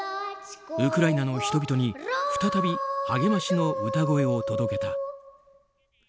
ウクライナの人々に再び励ましの歌声を届けた。